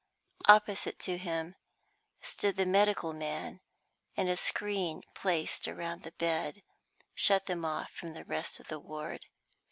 Opposite to him stood the medical man, and a screen placed around the bed shut them off from the rest of the ward.